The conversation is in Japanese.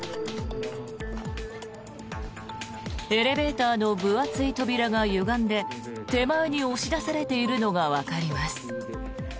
エレベーターの分厚い扉がゆがんで手前に押し出されているのがわかります。